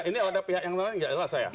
ini ada pihak yang lain nggak jelas saya